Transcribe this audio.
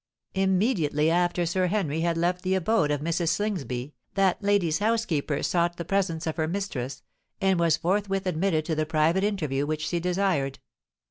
Immediately after Sir Henry had left the abode of Mrs. Slingsby, that lady's housekeeper sought the presence of her mistress, and was forthwith admitted to the private interview which she desired.